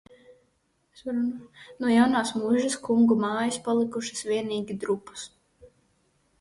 No jaunās muižas kungu mājas palikušas vienīgi drupas.